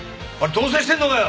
同棲してんのかよ！？